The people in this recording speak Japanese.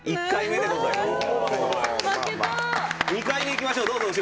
２回目、いきましょう。